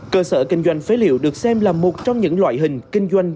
cơ sở kinh doanh phế liệu được xem là một trong những loại hình kinh doanh